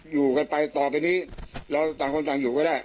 อยู่กันไปต่อไปนี้เราต่างคนต่างอยู่ก็ได้